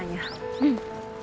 うん。